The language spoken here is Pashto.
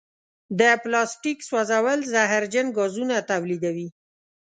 د پلاسټیک سوځول زهرجن ګازونه تولیدوي.